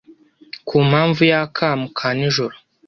ku mpamvu y’akamu ka nijoro.